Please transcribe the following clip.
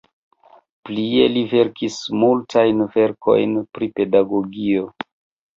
Plie li verkis multajn verkojn pri pedagogio.